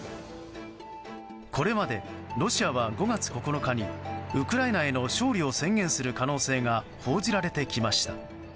これまで、ロシアは５月９日にウクライナへの勝利を宣言する可能性が報じられてきました。